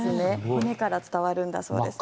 骨から伝わるんだそうです。